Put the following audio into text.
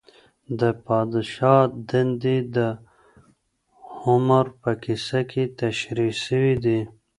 د پادشاه دندې د هومر په کيسه کي تشريح سوې دي.